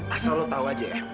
asal lo tau aja ya